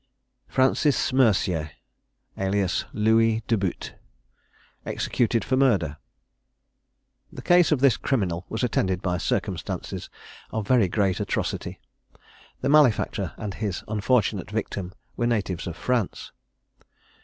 FRANCIS MERCIER, alias LOUIS DE BUTTE. EXECUTED FOR MURDER. The case of this criminal was attended by circumstances of very great atrocity. The malefactor and his unfortunate victim were natives of France.